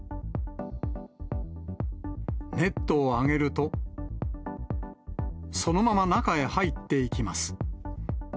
ネットを上げると、そのまま中へ入っていきます。